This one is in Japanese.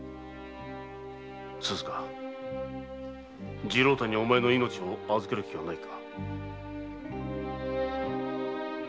鈴加次郎太にお前の命を預ける気はないか。